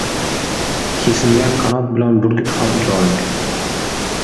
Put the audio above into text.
• Kesilgan qanot bilan burgut ham ucha olmaydi.